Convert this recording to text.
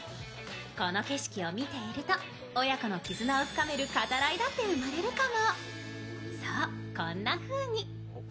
この景色を見ていると親子の絆を深める語らいだって生まれるかも。